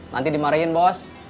nanti dimarahin bos